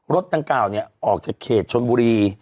รถดัง๙ออกจากเขตชนบุรี